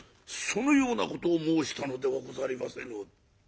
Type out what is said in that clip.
そのようなことを申したのではござりませぬ。